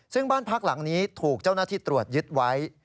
ซึ่งบ้านพักหลังนี้ถูกเจ้าหน้าที่ตรวจยึดไว้